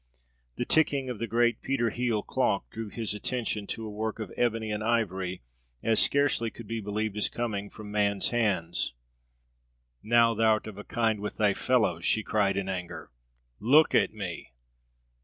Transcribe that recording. The ticking of the great Peter Hele clock drew his attention to a work of ebony and ivory as scarcely could be believed as coming from man's hands. "Now thou'rt of a kind with thy fellows!" she cried in anger. "Look at me!